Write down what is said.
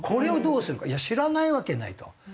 「いや知らないわけない」と。